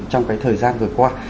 trong cái thời gian vừa qua